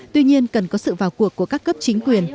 tuy nhiên cần có sự vào cuộc của các cấp chính quyền